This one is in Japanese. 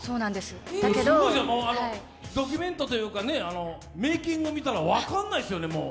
だけど、ドキュメントというか、メーキング見たら分からないですよね。